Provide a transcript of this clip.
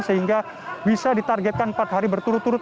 sehingga bisa ditargetkan empat hari berturut turut